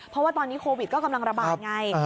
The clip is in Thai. เพราะว่าตอนนี้โควิดก็กำลังระบาดไง